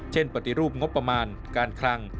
ปฏิรูปงบประมาณการคลัง